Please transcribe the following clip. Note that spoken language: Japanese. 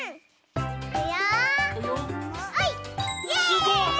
すごい！